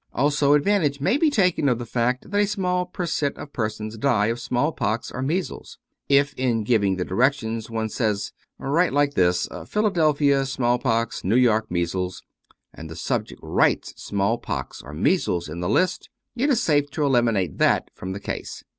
Also advantage may be taken of the fact that a small per cent of persons die of smallpox or measles. If in giving the di rections one says, " Write like this :' Philadelphia small pox, New York measles,' " and the subject writes small pox or measles in the list, it is safe to eliminate that from the case.